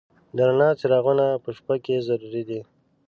د رڼا څراغونه په شپه کې ضروري دي.